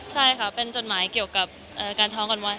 ใช่ค่ะเป็นจดหมายเกี่ยวกับการท้องกันไว้